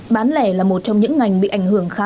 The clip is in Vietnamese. bán lẻ là một trong những ngành bị ảnh hưởng khá